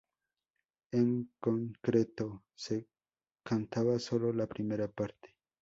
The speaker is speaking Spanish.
En concreto, se cantaba sólo la primera parte.